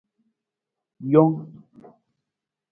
Joung.